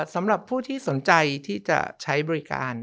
สำหรับผู้ที่สนใจที่จะใช้บริการ